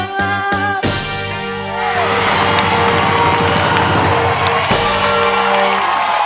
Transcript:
ร้องได้ไงล่ะ